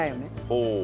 ほう。